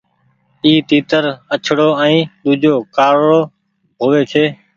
اي تيتر آڇڙو ائين ۮوجھو ڪارڙو هووي ڇي۔